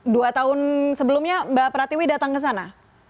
dua tahun sebelumnya mbak pratiwi datang ke sana